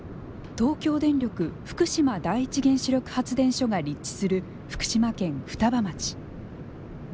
東京電力福島第一原子力発電所が立地する福島県双葉町。